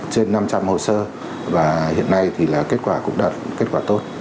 trên năm trăm linh hồ sơ và hiện nay thì là kết quả cũng đạt kết quả tốt